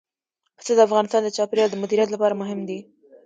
پسه د افغانستان د چاپیریال د مدیریت لپاره مهم دي.